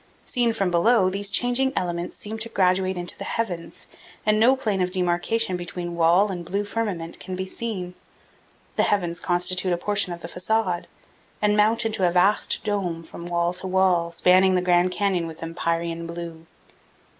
Seen from below, these changing elements seem to graduate into the heavens, and no plane of demarcation between wall and blue firmament can be seen. The heavens constitute a portion of the facade and mount into a vast dome from wall to wall, spanning the Grand Canyon with empyrean blue.